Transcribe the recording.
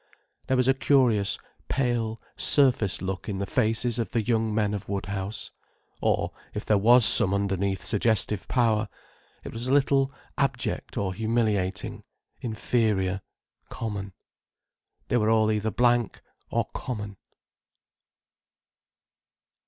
There was a curious pale surface look in the faces of the young men of Woodhouse: or, if there was some underneath suggestive power, it was a little abject or humiliating, inferior, common. They were all either blank or common.